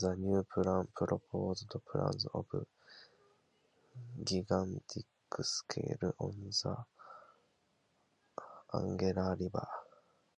The new plan proposed plants on a gigantic scale, on the Angara river.